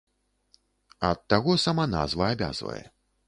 Ад таго сама назва абавязвае.